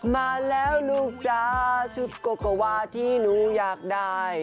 มาแล้วลูกจ้าชุดกว่าที่หนูอยากได้